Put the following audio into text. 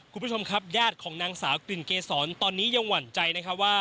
คุณผู้ชมครับญาติของนางสาวกลิ่นเกษรตอนนี้ยังหวั่นใจนะครับว่า